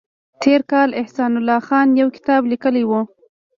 تېر کال احسان الله خان یو کتاب لیکلی و